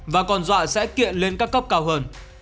và còn dọa sẽ kiện lên các cấp cao hơn